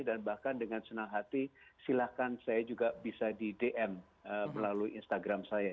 dan bahkan dengan senang hati silakan saya juga bisa di dm melalui instagram saya